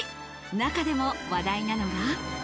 中でも話題なのが。